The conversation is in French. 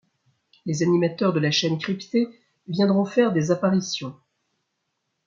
Les animateurs de la chaîne cryptée viendront faire des apparitions.